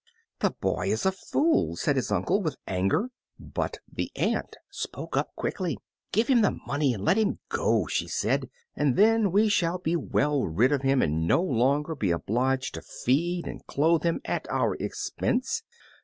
"The boy is a fool!" said his uncle, with anger; but the aunt spoke up quickly. "Give him the money and let him go," she said, "and then we shall be well rid of him and no longer be obliged to feed and clothe him at our expense."